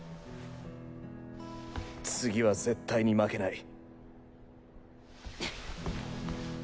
次は絶対に負けない。